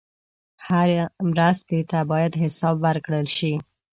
هره مرستې ته باید حساب ورکړل شي.